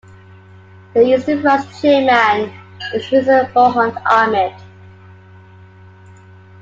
The Eastern Front's Chairman is Musa Mohamed Ahmed.